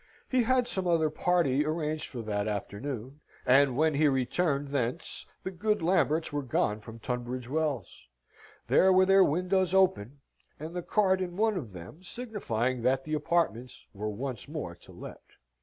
He had some other party arranged for, that afternoon, and when he returned thence, the good Lamberts were gone from Tunbridge Wells. There were their windows open, and the card in one of them signifying that the apartments were once more to let.